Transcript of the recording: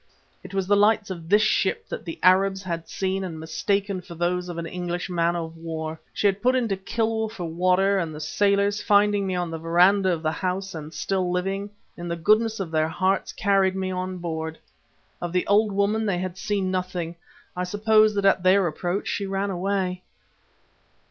It was the lights of this ship that the Arabs had seen and mistaken for those of an English man of war. She had put into Kilwa for water, and the sailors, finding me on the verandah of the house and still living, in the goodness of their hearts carried me on board. Of the old woman they had seen nothing; I suppose that at their approach she ran away.